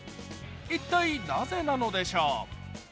一体、なぜなのでしょう。